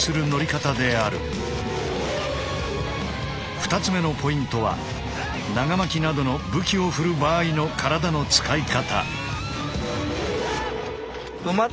２つ目のポイントは長巻などの武器を振る場合の体の使い方。